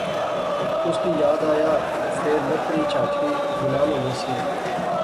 اس کی یاد آیا فیر لکڑی چہاٹھی بنانونی سی